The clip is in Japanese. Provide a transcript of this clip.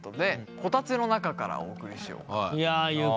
こたつの中からお送りしようかと。